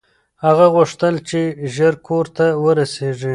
هغه غوښتل چې ژر کور ته ورسېږي.